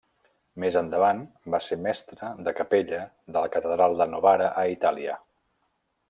Més endavant va ser mestre de capella de la catedral de Novara a Itàlia.